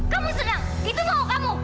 kamu senang itu mau kamu